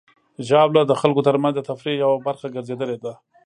ژاوله د خلکو ترمنځ د تفریح یوه برخه ګرځېدلې ده.